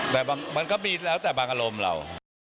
แต่มันก็มีแล้วแต่บางอารมณ์เรา